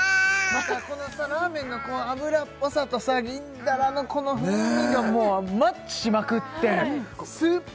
またこのラーメンの脂っぽさとさ銀だらのこの風味がもうマッチしまくってスープ